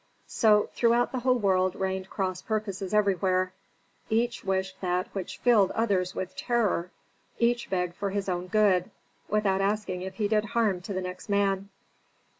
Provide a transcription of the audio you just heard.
So throughout the whole world reigned cross purposes everywhere. Each wished that which filled others with terror; each begged for his own good, without asking if he did harm to the next man.